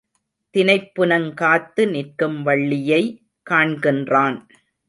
தினைப்புனங்காத்து நிற்கும் வள்ளியை காண்கின்றான்.